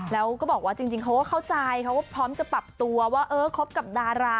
แล้วก็บอกว่าจริงเขาก็เข้าใจเขาก็พร้อมจะปรับตัวว่าเออคบกับดารา